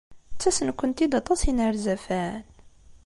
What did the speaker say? Ttasen-kent-id aṭas n yinerzafen?